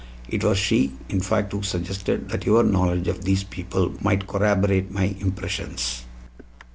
It was she, in fact, who suggested that your knowledge of these people might corroborate my impressions."